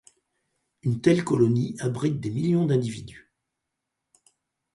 Une telle colonie abrite des millions d'individus.